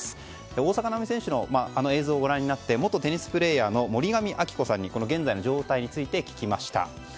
大坂なおみ選手の映像をご覧になって元テニスプレーヤーの森上亜希子さんに現在の状態について聞きました。